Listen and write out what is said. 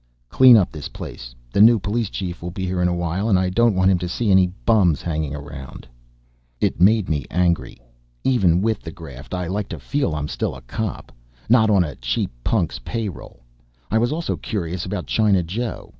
"Clean this place up. The new police Chief will be here in a while and I don't want him to see any bums hanging around." It made me angry. Even with the graft I like to feel I'm still a cop. Not on a cheap punk's payroll. I was also curious about China Joe.